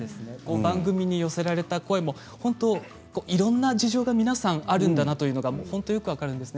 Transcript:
番組に寄せられた声もいろいろな事情が皆さんあるんだなというのが分かるんですね。